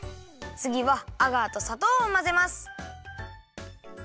つぎはアガーとさとうをまぜます。